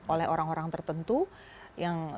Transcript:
oleh orang orang tertentu yang